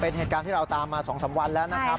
เป็นเหตุการณ์ที่เราตามมา๒๓วันแล้วนะครับ